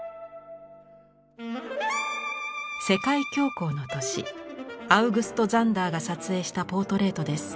世界恐慌の年アウグスト・ザンダーが撮影したポートレートです。